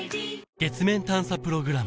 月面探査プログラム